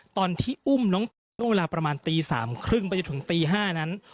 ตอนที่อุ้มน้องน้ำเวลาประมาณตี๓๓๐ประจำถึงตี๕นั้น